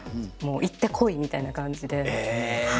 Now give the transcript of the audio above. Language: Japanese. もう行ってこいみたいな感じで。